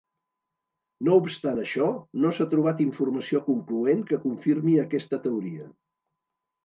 No obstant això, no s'ha trobat informació concloent que confirmi aquesta teoria.